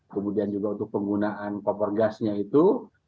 kemudian juga untuk penggunaan koper gasnya itu